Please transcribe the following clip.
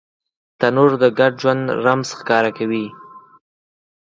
تنور د ګډ ژوند رمز ښکاره کوي